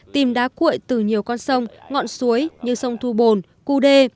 tìm đá cuội từ nhiều con sông ngọn suối như sông thu bồn cu đê